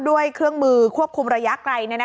ด้วยเครื่องมือควบคุมระยะไกล